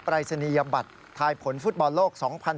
รายศนียบัตรทายผลฟุตบอลโลก๒๐๑๖